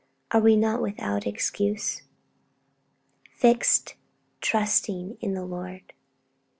Are we not 'without excuse'? 'Fixed, trusting in the Lord.'